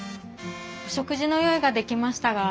お食事の用意ができましたが。